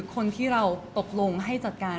คนที่เราตกลงให้จัดการ